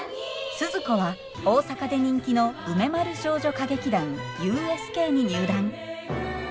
スズ子は大阪で人気の梅丸少女歌劇団ＵＳＫに入団。